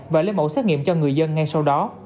và lấy mẫu xét nghiệm cho người dân ngay sau đó